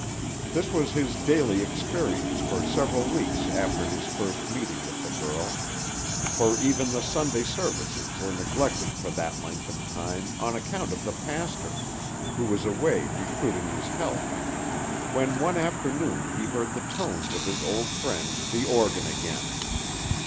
This was his daily experience for several weeks after his first meeting with the girl, for even the Sunday services were neglected for that length of time on account of the pastor, who was away recruiting his health; when one afternoon he heard the tones of his old friend the organ again.